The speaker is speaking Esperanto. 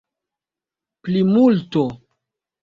plimulto